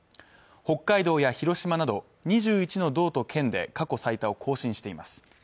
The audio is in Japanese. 北海道や広島など２１の道と県で過去最多を更新しています